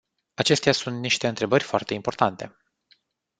Acestea sunt niște întrebări foarte importante.